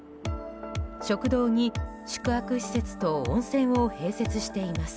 食堂に宿泊施設と温泉を併設しています。